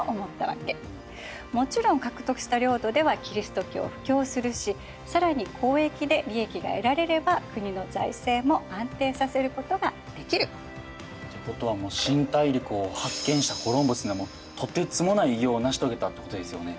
もちろん獲得した領土ではキリスト教を布教するし更に交易で利益が得られれば国の財政も安定させることができる。ってことは新大陸を発見したコロンブスはとてつもない偉業を成し遂げたってことですよね。